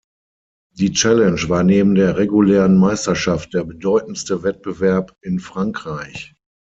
Die Challenge war neben der regulären Meisterschaft der bedeutendste Wettbewerb in Frankreich.